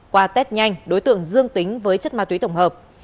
qua test nhanh đối tượng dương tính với chất ma túy tổng hợp